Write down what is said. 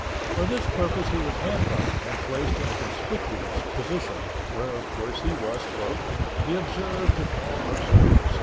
For this purpose he was handcuffed, and placed in a conspicuous position, where of course he was "the observed of all observers."